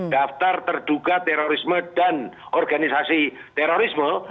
daftar terduga terorisme dan organisasi terorisme